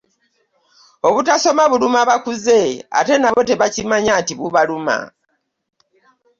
Obutasoma buluma bakuze ate nabo tebakimanya nti bubaluma.